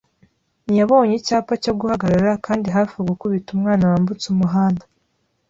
Ntiyabonye icyapa cyo guhagarara kandi hafi gukubita umwana wambutse umuhanda.